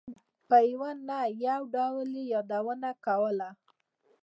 په یوه نه یو ډول یې یادونه کوله.